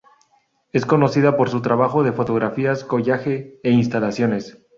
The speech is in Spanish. Es conocida por su trabajo de fotografías, collage e instalaciones.